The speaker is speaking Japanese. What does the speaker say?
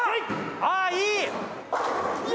ああいい！